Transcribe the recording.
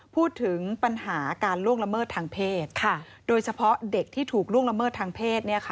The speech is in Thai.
พูดถึงปัญหาการล่วงละเมิดทางเพศโดยเฉพาะเด็กที่ถูกล่วงละเมิดทางเพศ